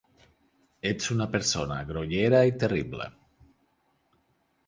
Ets una persona grollera i terrible.